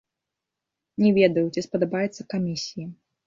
Не ведаю, ці спадабаецца камісіі.